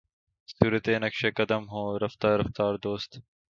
صورتِ نقشِ قدم ہوں رفتۂ رفتارِ دوست